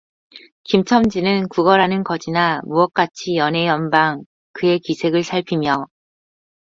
김첨지는 구걸하는 거지나 무엇같이 연해연방 그의 기색을 살피며